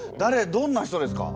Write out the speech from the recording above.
どんな人ですか？